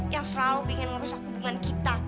yang selalu ingin merusak hubungan kita